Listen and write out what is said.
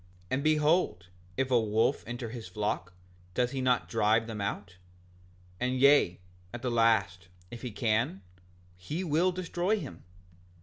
And behold, if a wolf enter his flock doth he not drive him out? Yea, and at the last, if he can, he will destroy him.